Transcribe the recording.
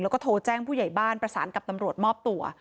แล้วก็โทรแจ้งผู้ใหญ่บ้านประสานกับตำรวจมอบตัว